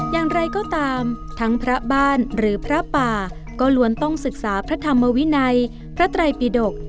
อย่างไรก็ตามทั้งพระบ้านหรือพระป่าก็ล้วนต้องศึกษาพระธรรมวินัยพระไตรปิดก